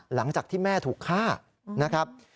หลังจากที่แม่ถูกฆ่านะครับ